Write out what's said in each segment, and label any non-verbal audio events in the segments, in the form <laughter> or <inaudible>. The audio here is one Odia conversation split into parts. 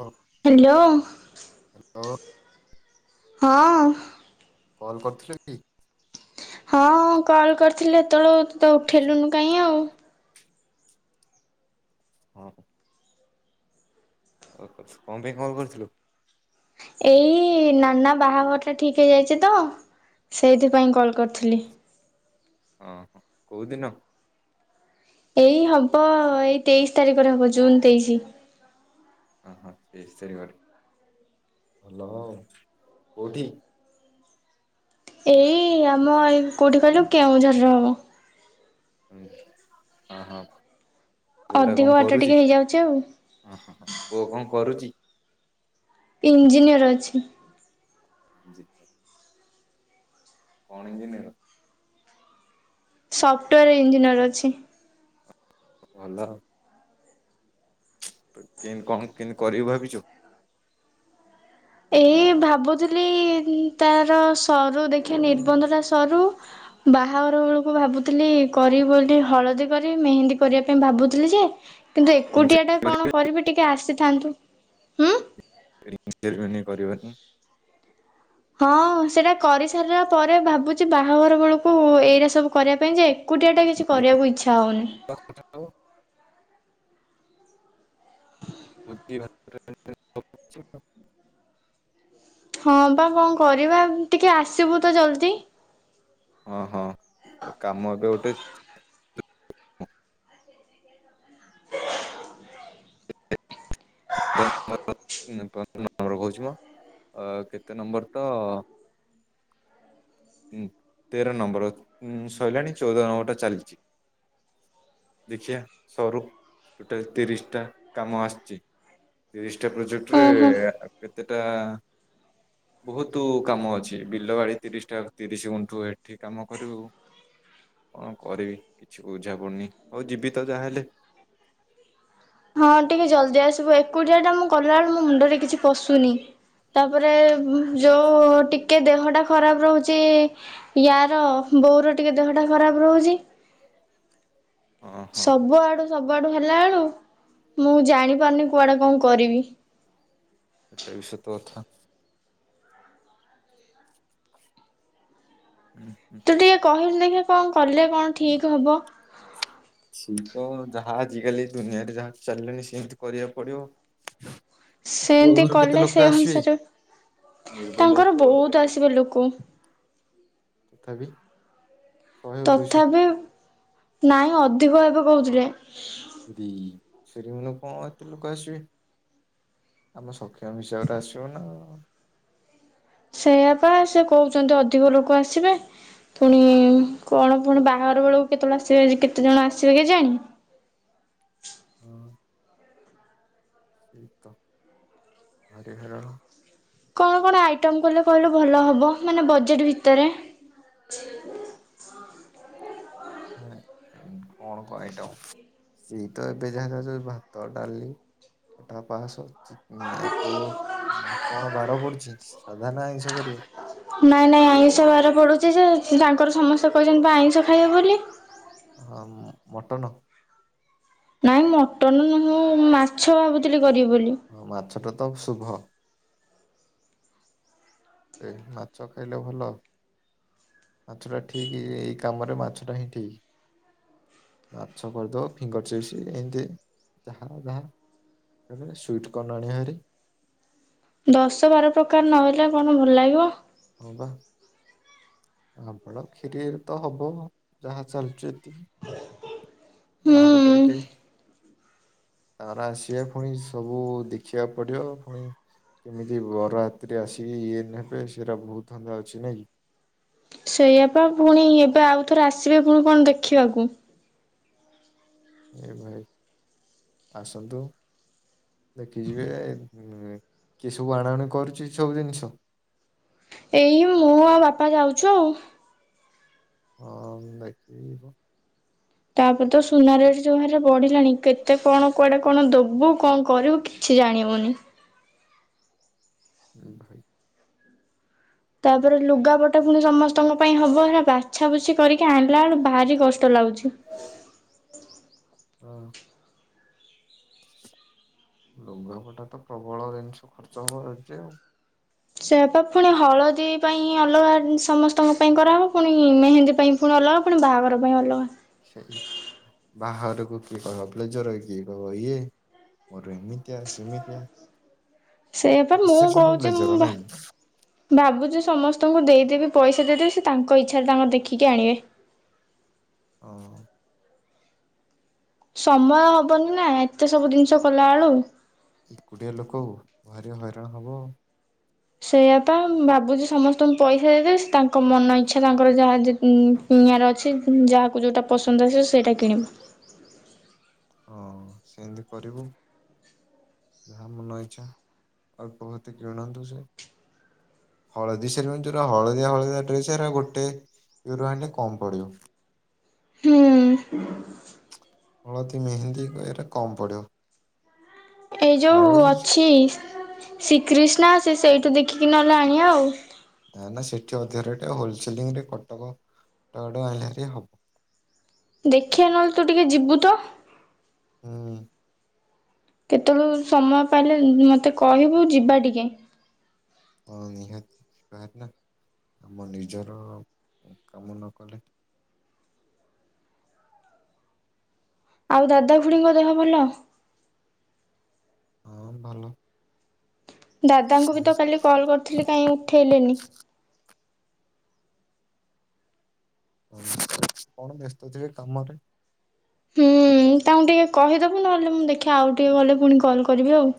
ହଁ ହ୍ୟାଲୋ <inaudible> ଆଉ ହଁ <inaudible> କଲ କରିଥିଲ କି? ହଁ କଲ କରିଥିଲି ହେତେବେଳୁ ତୁ ଉଠେଇଲୁନୁ କାଇଁ ଆଉ ଆଁ ହଁ <inaudible> କଣ ପାଇଁ କଲ କରିଥିଲୁ? ଏଇ ନାନା ବାହାଘର ଟା ଠିକ ହେଇଯାଇଛି ତ ସେଇଥିପାଇଁ କଲ କରିଥିଲି। ଆଁ ହଁ କୋଉ ଦିନ? ଏଇ ହବ ଏଇ ତେଇଶି ତାରିଖରେ ହବ ଜୁନ ତେଇଶି। ଅଁ ହଁ ତେଇଶି ତାରିଖ ରେ ଭଲ ଆଉ। କୋଉଠି? ଏଇ ଆମ ଏଇ କୋଉଠି କହିଲୁ କେଉଁଝର। ରହମ୍। <inaudible> ହୁଁ ହଁ ହଁ <inaudible> ପୁଅ ଟା ଅଧିକ କଣ ବାଟ ଟିକେ କରୁଚି। ହେଇଯାଉଛି ଆଉ ଅଁ ହଁ ପୁଅ କଣ କରୁଚି? ଇଞ୍ଜିନିୟର ଅଛି। ଜି <inaudible> କଣ ଇଞ୍ଜିନିୟର? ସଫ୍ଟଓୟାର ଇଞ୍ଜିନିୟର ଅଛି। ଭଲ କେ କଣ କେମିତି କରିବି ଭାବିଛୁ? ଏଇ ଭାବୁଥିଲି ତାର ସରୁ ଦେଖିବା ନିର୍ବନ୍ଧ ଟା ସରୁ ବାହାଘର ବେଳକୁ ଭାବୁଥିଲି କରି ବୋଲି ହଳଦୀ କରି ମେହେନ୍ଦୀ କରିବା ପାଇଁ ଭାବୁଥିଲି ଯେ କିନ୍ତୁ ଏକୁଟିଆ ଟା କଣ କରିବି ଟିକେ ଆସିଥାନ୍ତୁ ହୁଁ। ରିଙ୍ଗ୍ ସେରିମନି କରିବନି। ହଁ ସେଇଟା କରିସାରିଲା ପରେ ଭାବୁଛି ବାହାଘର ବେଳକୁ ଏଇଟା ସବୁ କରିବା ପାଇଁ ଯେ ଏକୁଟିଆ ଟା କିଛି ହଁ କରିବାକୁ ଇଚ୍ଛା ହଉନି। ହଁ ବା କଣ କରିବା ଟିକେ ଆସିବୁ ତ ଜଲଦି। ହଁ ହଁ କାମ ଏବେ ଗୁଟେ ପନ୍ଦର ନମ୍ବର କହୁଛି ମୋ କେତେ ନମ୍ବର ତ ତେର ନମ୍ବର ସରିଲାଣି ଚଉଦ ନମ୍ବର ଟା ଚାଲିଛି ଦେଖିବା ସରୁ ଟୋଟାଲ ତିରିଶ ଟା କାମ ଆସିଛି। କ୍ରିଶ ଗୋଟେ ପ୍ରୋଜେକ୍ଟରେ ଓହୋ ଏତେଟା ବହୁତ କାମ ଅଛି ବିଲ ବାଡ଼ି ତିରିଶଟା ତିରିଶ ଗୁଣ୍ଠୁ ଏଠି କାମ କରିବୁ କଣ କରିବି କିଛି ବୁଝା ପଡୁନି ଆଉ ଯିବି ତ ଯାହାହେଲେ। ହଁ ଟିକେ ଜଲଦି ଆସିବୁ ଏକୁଟିଆ ଟା ମୁଁ କଲା ବେଳକୁ ମୋ ମୁଣ୍ଡରେ କିଛି ପଶୁନି ତାପରେ ଯୋଉ ଟିକେ ଦେହଟା ଖରାପ ରହୁଛି ୟାର ବୋଉର ଟିକେ ଦେହ ଟା ଖରାପ ରହୁଛି। ହଁ ହଁ। ସବୁ ଆଡୁ ସବୁଆଡୁ ହେଲା ବେଳୁ ମୁଁ ଜାଣି ପାରୁନି କୁଆଡେ କଣ କରିବି। ଏଟା ବି ସତ କଥା। ହୁଁ ହୁଁ। ତୁ ଟିକେ କହିଲୁ ଏ କଣ କଲେ କଣ ଠିକ ହେବ। ଯାହା ଆଜିକାଲି ଦୁନିଆରେ ଯାହା ଚାଲିଲାଣି ସେମିତି କରିବାକୁ ପଡିବ। ପୁଅ ସେମିତି ଘରୁ କେତେ କଲେ ଲୋକ ସେ ଆସିବେ ଅନୁସାରେ ନିର୍ବନ୍ଧକୁ ତାଙ୍କର ପୁଅ ଘରୁ କେତେ ବହୁତ ଆସିବେ ଲୋକ। ତଥାପି। ଶହେ ଦୁଇଶହ। ତଥାପି ନାଇଁ ଅଧିକ ଏବେ କହୁଥିଲେ। ବେ ସେ କଣ ଏତେ ଲୋକ ଆସିବେ ଆମ <unintelligible> ଆସିବ ନା ସେଇଆାପା ସେ କହୁଛନ୍ତି ଅଧିକ ଲୋକ ଆସିବେ ପୁଣି କଣ କଣ ବାହାଘର ବେଳକୁ କେତେବେଳେ ଆସିବେ କେତେ ଜଣ ଆସିବେ କେ ଜାଣି। ହଁ ସେଇ ତ ହାରି ହଇରାଣ। କଣ କଣ ଆଇଟମ କଲେ କହିଲେ ଭଲ ହବ ମାନେ ବଜେଟ ଭିତରେ। କଣ କଣ ଆଇଟମ ସେଇ ତ ଏବେ ଯାହା ଯାଉ ଭାତ ଡାଲି ଖଟା ପାସ ନାଇ କଉ କଣ ବାର ପଡୁଛି? ସାଧା ନା ଆଇଁଷ କରିବ? ନାଇଁ ନାଇଁ ଆଇଁଷ ବାରେ ପଡୁଛି ଯେ ତାଙ୍କର ସମସ୍ତେ କହିଛନ୍ତି ବା ଆଇଁଷ ଖାଇବେ ବୋଲି। ହଁ ମଟନ ନାଇଁ ମଟନ ନୁହଁ ମାଛ ଭାବୁଥିଲି। କରିବି ବୋଲି। ହଁ ମାଛଟା ତ ଶୁଭ ମାଛ ଖାଇଲେ ଭଲ ମାଛଟା ଠିକ ଏଇ କାମରେ ମାଛଟା ହିଁ ଠିକ ମାଛ କରିଦବ ଫିଙ୍ଗର ଚିପ୍ସ ଏମିତି ଯାହା ଯାହା ସୁଇଟ କର୍ଣ ଆଣିବା ଭାରି ଦଶ ବାର ପ୍ରକାର ନହଲେ କଣ ଭଲ ଲାଗିବ ହଁ ବା ଆପଣ କ୍ଷିରିରେ ତ ହବ ଯାହା ଚାଲିଚି। ହୁଁ ବାହାଘରଟେ ଗୋଟେ ତାର ଆସିବା ପୁଣି ସବୁ ଦେଖିବାକୁ ପଡିବ ପୁଣି କେମିତି ବର ରାତିରେ ଆସିକି ଇଏ ନେବେ ସେଟା ବହୁତ ଧନ୍ଦା ଅଛି ନାଇଁ କି ସେଇଆପା ପୁଣି ଏବେ ଆଉଥରେ ଆସିବେ ପୁଣି କଣ ଦେଖିବାକୁ ଏ ଭାଇ ଆସନ୍ତୁ ଦେଖିଯିବେ କିଏ ସବୁ ଆଣା ଆଣି କରୁଛି ସବୁ ଜିନିଷ ଏଇ ମୁଁ ଆଉ ବାପା ଯାଉଛୁ ଆଉ ହଁ ଦେଖିବ ତାପରେ ତ ସୁନା ରେଟ ଯୋ ବାରେ ବଢିଲାଣି କେତେ କଣ କୁଆଡେ କଣ ଦବୁ କଣ କରିବୁ କିଛି ଜାଣିବୁନି ହଁ ଭାଇ ତାପରେ ଲୁଗାପଟା ପୁଣି ସମସ୍ତଙ୍କ ପାଇଁ ହବ ହେଲା ବାଛା ବୁଛି କରିକି ଆଣିଲା ବେଳ ଭାରି କଷ୍ଟ ଲାଗୁଛି। ହଁ ଲୁଗାପଟା ତ ପ୍ରବଳ ଜିନିଷ ଖର୍ଚ୍ଚ ହବ ରହିଛି ଆଉ ସେଇଆ ପା ପୁଣି ହଳଦୀ ପାଇଁ ଅଲଗା ସମସ୍ତଙ୍କ ପାଇଁ କରାହବ ପୁଣି ମେହେନ୍ଦୀ ପାଇଁ ପୁଣି ଅଲଗା ପୁଣି ବାହାଘର ପାଇଁ ଅଲଗା ସେଇ ବାହାଘରକୁ କିଏ କହିବ ବ୍ଲେଜର କିଏ କବ ଇଏ ମ ଏମିତିଆ ସେମିତିଆ ସେଇଆପା ମୁଁ ସେ ସବୁ କହୁଛି ମୁଁ ବ୍ଲେଜର ନାଇଁ କି? ଭା-ଭାବୁଛି ସମସ୍ତଙ୍କୁ ଦେଇ ଦେବି ପଇସା ଦେଇଦେବି ସେ ତାଙ୍କ ଇଚ୍ଛାରେ ତାଙ୍କର ଦେଖିକି ଆଣିବେ। ହଁ ସମୟ ହବନି ନା ଏତେ ସବୁ ଜିନିଷ କଲାବେଳୁ ଏକୁଟିଆ ଲୋକ ଭାରି ହଇରାଣ ହବ ଆଉ ସେଇୟା ତ ମୁଁ ଭାବୁଛି ସମସ୍ତଙ୍କୁ ପଇସା ଦେଇଦେବି ତାଙ୍କ ମନ ଇଚ୍ଛା ତାଙ୍କର ଯାହା କି -କିଣିଆର ଅଛି ଯାହାକୁ ଯୋଉଟା ପସନ୍ଦ ଅଛି ସେଇଟା କିଣିବ। ହଁ ସେମିତି କରିବୁ ଯାହା ମନ ଇଚ୍ଛା ଅଳ୍ପତି କିଣନ୍ତୁ ସେ ହଳଦୀ ସେରିମନି ଯଉରା ହଳଦିଆ ହଳଦିଆ ଡ୍ରେସ ଗୋଟେ ରୁ ଆଣିଲେ କମ ପଡିବ। ହୁଁ ହଳଦୀ ମେହେନ୍ଦୀ ଏଇରା କମ ପଡ଼ିବ। ଏଇ ଯୋଉ ଅଛି। ଶ୍ରୀକ୍ରୀିଷ୍ଣା ସେ ସେଇଠୁ ଦେଖିକି ନହେଲେ ଆଣିବା ଆଉ ନା ନା ସେଠି ଅଧିକା ରେଟ ହୋଲସେଲିଂରେ କଟକ ଆଡୁ ଆଣିଲେ ଭାରି ହବ ଦେଖିବା ନହେଲେ ତୁ ଟିକେ ଯିବୁ ତ ହୁଁ କେତେଳୁ ସମୟ ପାଇଲେ ମତେ କହିବୁ ଯିବା ଟିକେ କଣ ନିହାତି ନା ଆମ ନିଜର କାମ ନ କଲେ ଆଉ ଦାଦା ଖୁଡିଙ୍କ ଦେହ ଭଲ? ହଁ ଭଲ ଦାଦାଙ୍କୁ ବି ତ କାଲି କଲ କରିଥିଲି କାହିଁ ଉଠେଇଲେନି। ଆଉ କଣ ବ୍ୟସ୍ତ ଥିବେ କାମରେ ହୁଁ ତାଙ୍କୁ ଟିକେ କହିଦବୁ ନହେଲେ ମୁଁ ଦେଖିଆ ଆଉ ଟିକେ ଗଲେ ପୁଣି କଲ କରିବି ଆଉ।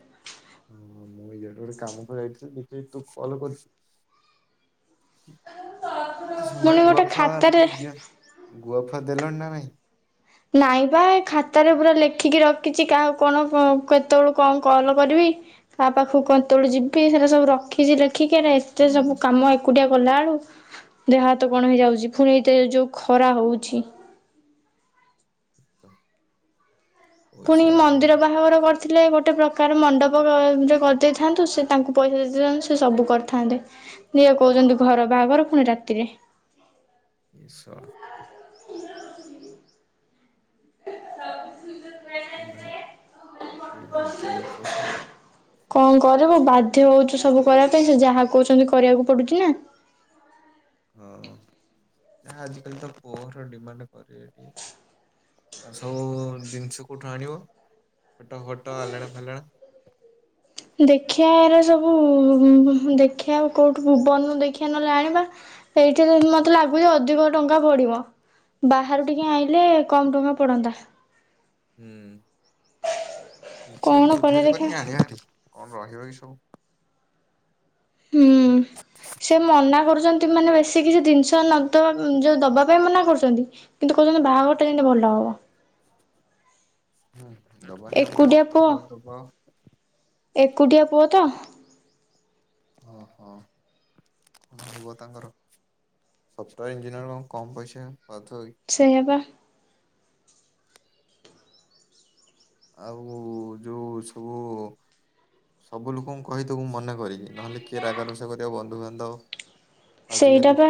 ହଁ ହଁ ମୁଁ ଇଆଡେ ଗୋଟେ କାମକୁ ଯାଇଥିଲିି ଦେଖିଲି ତୁ କଲ କରିଛୁ ପୁଣି ସରିଲାଣି ଗୁଆ ଗୋଟେ ଫୁଆ ଖାତାରେ ଯାହା ଗୁଆ ଫୁଆ ଦେଲଣି ନା ନାଇଁ। ନାଇଁ ବା ଏ ଖାତାରେ ପୁରା ଲେଖିକି ରଖିଛି କାହାକୁ କଣ ଉଁ କେତେବେଳୁ କଣ କଲ କରିବି କାହା ପାଖାକୁ କେତେବେଳୁ ଯିବି ସେଟା ସବୁ ରଖିଛି ଲେ ଖିକିରି ଏତେ ହୁଁ ସବୁ କାମ ଏକୁ ଏକୁଟିଆ କଲା ବେଳୁ ଦେହ ହାତ କଣ ହେଇଯାଉଛି ଫୁଣି ଏଇତେ ଏ ଯୋଉ ଖରା ହଉଛି। ତ ପୁଣି ପଇସା ମନ୍ଦିର ବାହାଘର କର ଥିଲେ ଗୋଟେ ପ୍ରକାର ମଣ୍ଡପ ବା ଯୋଉ କରିଦେଇଥାନ୍ତୁ ସେ ତାଙ୍କୁ ପଇସା ଦେଇ ଦେଇଥାନ୍ତୁ ସେ ସବୁ କରିଥାନ୍ତେ ଇଏ କହୁଛନ୍ତି ଘର ବାହାଘର ପୁଣି ରାତିରେ। ଏ ସଳା। <inaudible> ଏ ଭାଇ ଏମିତିଆ ଲୋକ ସିଏ। କଣ କରିବୁ ବାଧ୍ୟ ହଉଛୁ ସବୁ କରିଆ ପାଇଁ ସେ ଯାହା କହୁଛନ୍ତି କରିଆକୁ ପଡୁଛି ନା। ହଁ ନା ଆଜିକାଲି ତ ପୁଅ ଘର ଡିମାଣ୍ଡ କରିବେ ଟିକେ ଆଉ ସବୁ ଜିନିଷ କୋଉଠୁ ଆଣିବ ଖଟ ଫଟ ଆଲେଣା ଫାଲେଣା? ଦେଖିଆ ଏରେ ସବୁ ଉ ଦେଖିଆ କୋଉଠୁୁ ଭୁବନ ରୁ ଦେଖିଆ ନହେଲେ ଆଣିବା ଏଇଠି ତ ମତେ ଲାଗୁଛି ଅଧିକ ଟଙ୍କା ପଡିବ। ବାହାରୁ ଟିକେ ଆଇଁଲେ। କମ ଟଙ୍କା ପଡନ୍ତା। ହୁଁ। କିଛି କଣ ଏଇଠି ବୁଝା କରିବା ବୁଝି ଦେଖିବା କରିକି ଆଣିଆ ହେରି କଣ ରହିବ ଏ ସବୁ। ହୁଁ ସେ ମନା କରୁଛନ୍ତି ମାନେ ବେଶୀ କିଛି ଜିନିଷ ନଦବା ଯୋଉ ଦବା ପାଇଁ ମନା କରୁଛନ୍ତି କିନ୍ତୁ କହୁଛନ୍ତି ବାହାଘରଟା ଯେମିତି ଭଲ ହବ। ହୁଁ। ଦବନି ଆମ ଏକୁଟିଆ ପୁଅ କର୍ତ୍ତବ୍ୟ ଦବ। ଏକୁଟିଆ ପୁଅ ତ। ଓହୋ କଣ ହବ ତାଙ୍କର ସଫ୍ଟୟାର ଇଞ୍ଜିନିୟର କଣ କମ ପଇସା। ପାଉଥିବ କି? ସେଇଆ ବା। ଆଉ ଯୋଉ ସବୁ ସବୁ ଲୋକଙ୍କୁ କହିଦବୁ ମନେକ କରିକି ନ ହେଲେ କିଏ ରାଗ ରୁଷା କରିବ ବନ୍ଧୁବା ନ୍ଧବ। ସେଇଟା ବା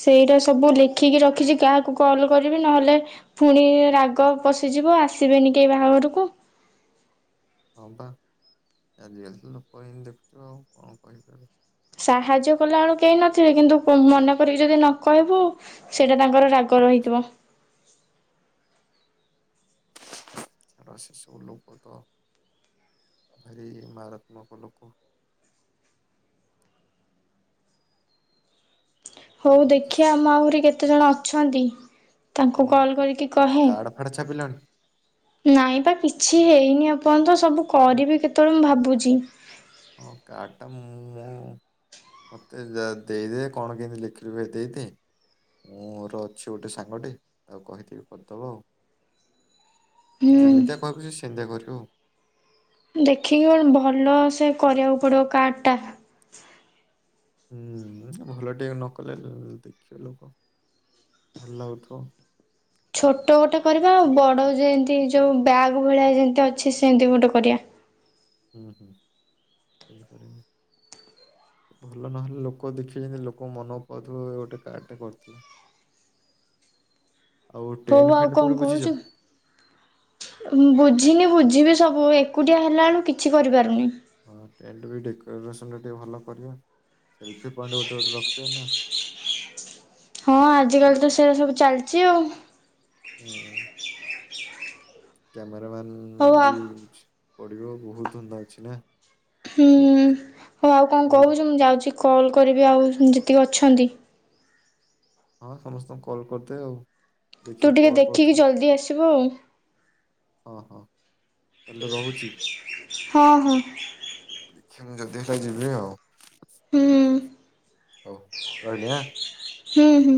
ସେଇଟା। ସବୁ ଲେଖିକି ରଖିଛି କାହାକୁ କଲ କରିବି ନ ହେଲେ ପୁଣି ରାଗ ପଶିଯିବ ଆସିବେନି କେହି ବାହାଘରକୁ। ହଁ ବା ଆଜି କାଲି ତ ଲୋକ ଏମିତି ଦେଖୁଛ ଆଉ କଣ କହିପାରିବ। ସାହାଯ୍ୟ କଲା ବେଳୁ କେହି ନଥିବେ କିନ୍ତୁ ମନେ କରିକି ଯଦି ନ କହିବୁ ସେଇଟା ତାଙ୍କର ରାଗ ରହିଥିବ। ଛାଡ ସେ ସବୁ ଲୋକ ତ ଭାରି ମାରାତ୍ମକ ଲୋକ। ହଉ ବୁଝୁଛି ଦେଖିଆ ଆମ ଆହୁରି କେ କେତେ ଜଣ ଅଛନ୍ତି। ତାଙ୍କୁ ହୁଁ କଲ୍ କରିକି କହେ। କାର୍ଡ ଫାଡ ଛାପିଲଣି ନାଇଁ ପା କିଛି ହେଇନି ଏପଅନ୍ତ। ସବୁ ଏ କରିବି କେତବେଳେ ମୁଁ ଭାବ ବୁଝି। ହଁ କାର୍ଡ଼ଟା ମୁଁ ମୋ ମୋତେ ଦେଇଦେ କଣ କେମିତି ଲେଖିବେ ଦେଇଦେ ମୋର ଅଛି ଗୋଟେ ସାଙ୍ଗଟେ ଆଉ କହିଥିବି କରିଦେବ ଆଉ। ଜୁମିତା ହୁଁ କରି କି ସେନ୍ଧା କରିବି ଉ। ଦେଖିକି କଣ ଭଲ ସେ କରିବାକୁ ପଡିବ କାର୍ଡ ଟା। ହୁଁ ଭଲ ଟିକେ ନକଲେ <inaudible> ଦେଖିବ ଲୋକ ଭଲ ଲାଗୁଥିବ ଛୋଟ ଗୋଟେ କରିବା, ଆଉ ବଡ ଯେମିତି ଯୋଉ ବ୍ୟାଗ ଭଳିଆ ଯେମତି ଅଛି ସେମିତି ଗୋଟେ କରିବା। ହୁଁ ହୁଁ <inaudible> ଭଲ ନହେଲେ ଲୋକ ଦେଖିବେ ଯେ ଲୋକ ମନ ପାଉଥିବା ଗୋଟେ କାର୍ଡଟେ କରିଥିଲେ। ହୋଉ ଆଉ କଣ କହୁଚୁ ବୁଝିନି ବୁଝି ଆଜି ବି ସବୁ ଏକୁଟିଆ ହେଲା ବେଳକୁ କିଛି କରିପାରୁନି। ହଁ ଟେଣ୍ଟ <unintelligible> ଟିକେ ଭଲ ପଡିବ। ସେଲ୍ଫି ପଏଣ୍ଟ ଗୋଟେ ଗୋଟେ ରଖିବେ ନା। ହଁ ଆଜି କାଲି ତ ସେଇଆ ସବୁ ଚାଲିଚି ଆଉ। ହୁଁ କେମେ ହଉ ଆ <unintelligible> ପଡିବ ବୋହୁତ ଧନ୍ଦା ଅଛି ନା। ହୁଁ ହୋଉ ଆଉ କଣ ହଉ କହୁଚୁ ମୁଁ ଯାଉଚି। କଲ୍ କରିବି ଆଉ ଯେତିକି ଅଛନ୍ତି। ହଁ ସମସ୍ତଙ୍କୁ କଲ୍ କରିଦେ ଆଉ। ତୁ ଦେଖିକି ଟିକେ କଲ୍ ଦେଖିକି କରିଥିବୁ। ଜଲ୍ଦି ଆସିବୁ ଆଉ। ହଁ ହଁ ତାହେଲେ ରହୁଚି। ହଁ ହଁ। ଦେଖିବା ମୁ ଜଲ୍ଦି ତ ଯିବି ଆଉ। ହୁଁ ହଉ ରହିଲି ଆଁ। ହୁଁ ହୁଁ